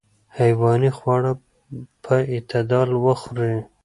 حیواني خواړه په اعتدال وخورئ.